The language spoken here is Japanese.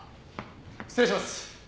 失礼します。